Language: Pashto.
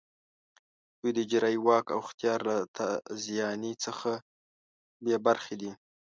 دوی د اجرایې واک او اختیار له تازیاني څخه بې برخې دي.